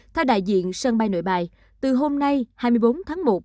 theo đại diện sân bay nội bài từ hôm nay hai mươi bốn tháng một